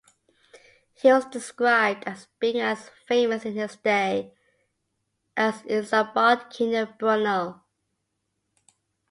He was described as being "as famous in his day as Isambard Kingdom Brunel".